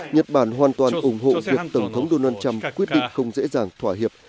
nhật bản hoàn toàn ủng hộ việc tổng thống donald trump quyết định không dễ dàng thỏa hiệp